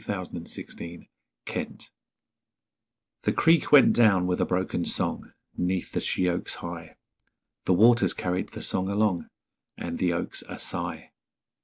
The Song and the Sigh The creek went down with a broken song, 'Neath the sheoaks high; The waters carried the song along, And the oaks a sigh.